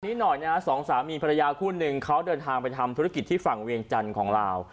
นี้หน่อยนะฮะสองสามีภรรยาคู่หนึ่งเขาเดินทางไปทำธุรกิจที่ฝั่งเวียงจันทร์ของลาว